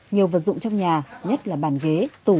nhiều vật dụng trong nhà nhất là bàn ghế tủ